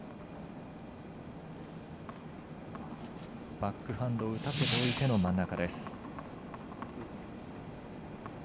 バックハンドを打たせておいての真ん中。